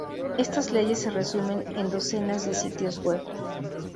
Estas leyes se resumen en docenas de sitios web.